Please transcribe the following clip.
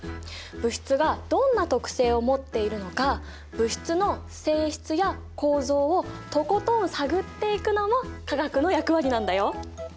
物質がどんな特性を持っているのか物質の性質や構造をとことん探っていくのも化学の役割なんだよ。